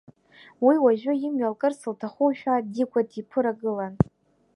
Уи уажәы, имҩа лкырц лҭахушәа, Дигәа диԥырагылан.